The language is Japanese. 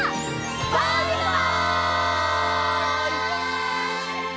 バイバイ！